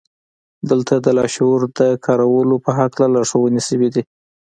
دلته د لاشعور د کارولو په هکله لارښوونې شوې دي